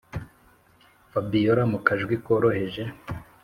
fabiora mukajwi koroheje